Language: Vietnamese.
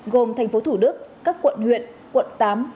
gồm thành phố thủ đức các quận huyện quận tám một mươi hai